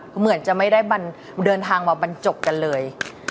เหมือนจะไม่ได้เดินทางมาบรรจบกันเลย